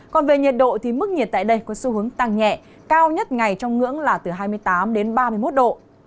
còn về nhiệt độ thì mức nhiệt tại đây có xu hướng tăng nhẹ cao nhất ngày trong ngưỡng là từ hai mươi tám đến ba mươi một độ